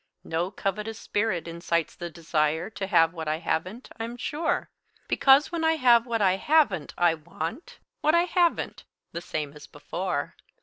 No covetous spirit incites the desire To have what I haven't, I'm sure; Because when I have what I haven't, I want What I haven't, the same as before.